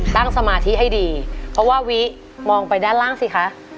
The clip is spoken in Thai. สมาธิให้ดีเพราะว่าวิมองไปด้านล่างสิคะ